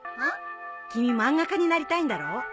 君漫画家になりたいんだろ？